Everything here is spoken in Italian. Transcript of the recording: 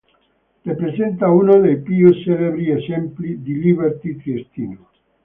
Rappresenta uno dei più celebri esempi di liberty triestino.